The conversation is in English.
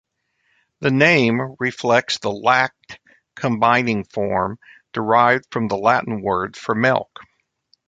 The name reflects the "lact-" combining form derived from the Latin word for milk.